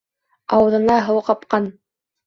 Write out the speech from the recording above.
Ауыҙына һыу ҡапҡан.